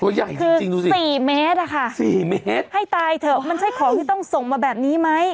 ตัวใหญ่จริงดูซินี่สี่เมตรค่ะให้ตายเถอะมันไม่ใช่ของที่ต้องส่งมาแบบนี้ไหม